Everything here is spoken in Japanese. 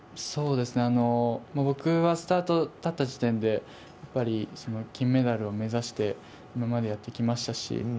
僕は、スタート立った時点で金メダルを目指して今までやってきましたし。